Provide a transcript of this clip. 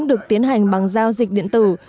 được tiến hành bằng giao dịch điện tử